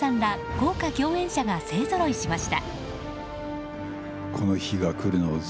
豪華共演者が勢ぞろいしました。